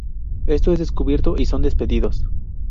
Esto es descubierto y son despedidos.